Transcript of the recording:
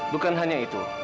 bukan hanya itu